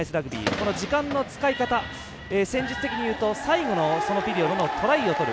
この時間の使い方戦術的にいうと最後のピリオドにトライを取る。